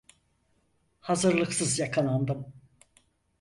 Hazırlıksız yakalandım.